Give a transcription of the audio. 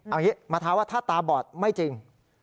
เอาอย่างนี้มาท้าว่าถ้าตาบอดไม่จริง